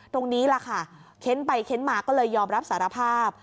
ตรงนี้แหละค่ะเค้นไปเค้นมาก็เลยยอมรับสารภาพ